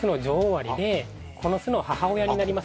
これがこの巣の母親になります